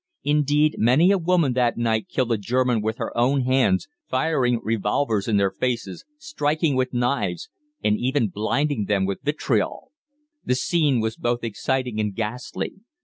Indeed, many a woman that night killed a German with her own hands, firing revolvers in their faces, striking with knives, or even blinding them with vitriol. "The scene was both exciting and ghastly.